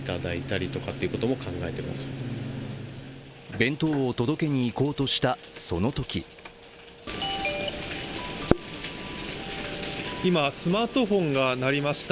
弁当を届けに行こうとした、そのとき今、スマートフォンがなりました。